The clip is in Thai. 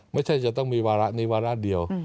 ไม่ใช่จะต้องมีวาระนี้วาระเดียว